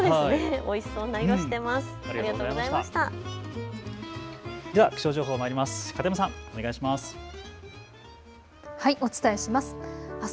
おいしそうな色、しています。